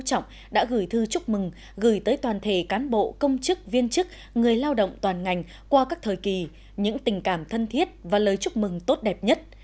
tổng thư chúc mừng gửi tới toàn thể cán bộ công chức viên chức người lao động toàn ngành qua các thời kỳ những tình cảm thân thiết và lời chúc mừng tốt đẹp nhất